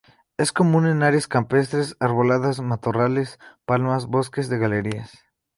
Es común en áreas campestres arboladas, matorrales, palmas, bosques de galería.